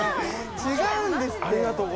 違うんですって。